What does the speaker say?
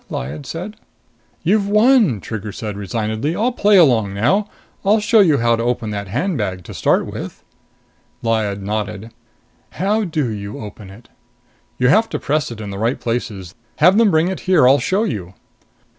Lyad said. "You've won," Trigger said resignedly. "I'll play along now. I'll show you how to open that handbag, to start with." Lyad nodded. "How do you open it?" "You have to press it in the right places. Have them bring it here. I'll show you."